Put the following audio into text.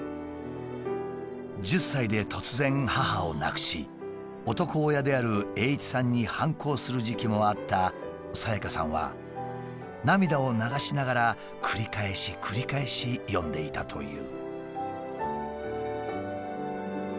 １０歳で突然母を亡くし男親である栄一さんに反抗する時期もあった清香さんは涙を流しながら繰り返し繰り返し読んでいたという。